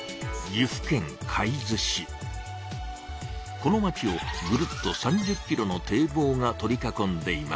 この町をぐるっと３０キロの堤防が取り囲んでいます。